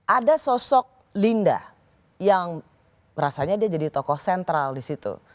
ada sosok linda yang rasanya dia jadi tokoh sentral disitu